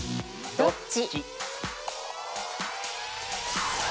どっち？